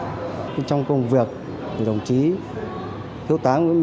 trong công việc thì đồng chí thiếu tá nguyễn minh đức sống rất là có cái trình độ rất là cao năng động sáng tạo